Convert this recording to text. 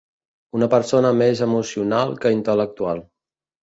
Una persona més emocional que intel·lectual.